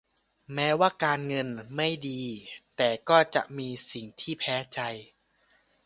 แม้ว่าการเงินไม่ดีแต่ก็จะมีสิ่งที่แพ้ใจ